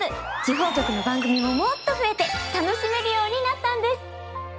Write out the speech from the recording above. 地方局の番組ももっと増えて楽しめるようになったんです。